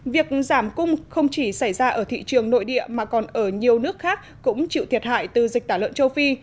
việc giảm cung không chỉ xảy ra ở thị trường nội địa mà còn ở nhiều nước khác cũng chịu thiệt hại từ dịch tả lợn châu phi